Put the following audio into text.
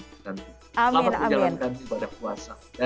selamat menjalankan ibadah puasa dari persultan kajastan